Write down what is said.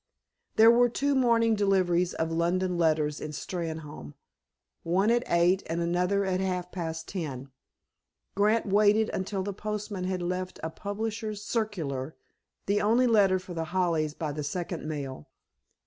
There were two morning deliveries of London letters in Steynholme, one at eight and another at half past ten. Grant waited until the postman had left a publisher's circular (the only letter for The Hollies by the second mail).